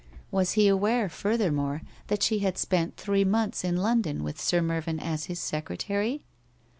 Was he aware, furthermore, that she had spent three months in London with Sir Mervyn as his secretary?